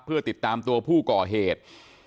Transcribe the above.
เพื่อติดตามตัวผู้ก่อเหตุ